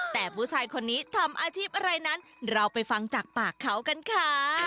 แต่ผู้ชายคนนี้ทำอาชีพอะไรนั้นเราไปฟังจากปากเขากันค่ะ